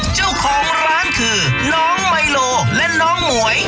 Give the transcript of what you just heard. เจ้าของร้านคือน้องไมโลและน้องหมวย